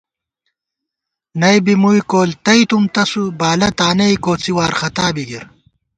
نئ بی مُوئی کول تئیتُوم تسُو، بالہ تانئ کوڅی وارختا بی گِر